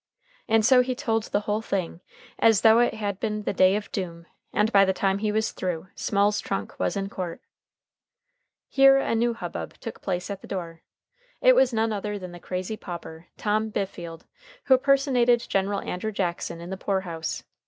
And so he told the whole thing as though it had been the day of doom, and by the time he was through, Small's trunk was in court. Here a new hubbub took place at the door. It was none other than the crazy pauper, Tom Bifield, who personated General Andrew Jackson in the poor house.